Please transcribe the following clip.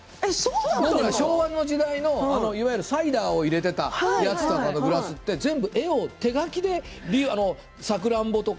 昭和の時代のいわゆるサイダーを入れていたグラスって全部、手描きの絵なんですさくらんぼとか。